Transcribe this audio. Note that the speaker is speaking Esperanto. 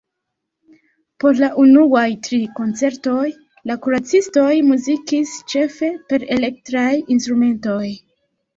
Por la unuaj tri koncertoj, la Kuracistoj muzikis ĉefe per elektraj instrumentoj.